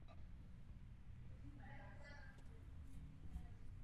Předmětem ochrany jsou především mořští ptáci.